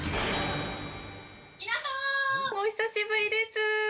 皆さーんお久しぶりです！